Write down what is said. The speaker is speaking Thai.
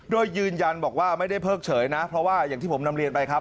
โดยยืนยันบอกว่าไม่ได้เพิกเฉยนะเพราะว่าอย่างที่ผมนำเรียนไปครับ